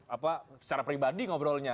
apa secara pribadi ngobrolnya